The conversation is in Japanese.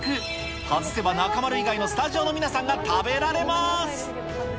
外せば中丸以外のスタジオの皆さんが食べられます。